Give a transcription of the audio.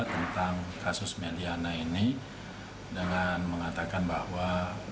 tentang kasus may liana ini dengan mengatakan bahwa